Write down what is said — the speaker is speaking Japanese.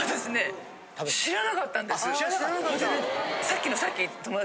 さっきのさっき。